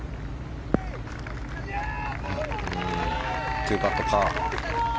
２パット、パー。